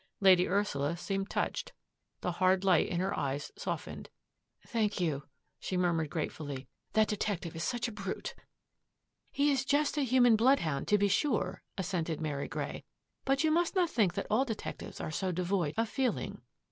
Lady Ursula seemed touched. The hard light in her eyes softened. " Thank you," she murmured gratefully. " That detective is such a brute !"" He is just a human bloodhound, to be sure," assented Mary Grey, " but you must not think that all detectives are so devoid of feeling."